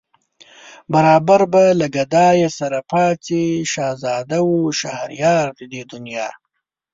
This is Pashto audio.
برابر به له گدايه سره پاڅي شهزاده و شهريار د دې دنیا